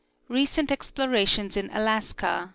RECENT EXPLORATIONS IN ALASKA